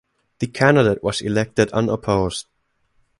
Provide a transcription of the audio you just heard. The candidate was elected unopposed.